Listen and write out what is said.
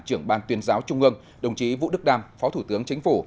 trưởng ban tuyên giáo trung ương đồng chí vũ đức đam phó thủ tướng chính phủ